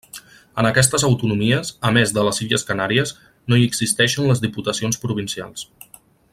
En aquestes autonomies, a més de les Illes Canàries, no hi existeixen les diputacions provincials.